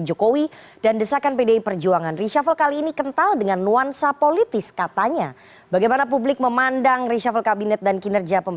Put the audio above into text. jokowi dodo tidak menampik akan berlaku reshuffle